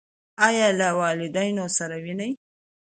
ایا له والدینو سره وینئ؟